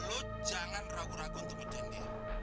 lo jangan ragu ragu untuk ikutin dia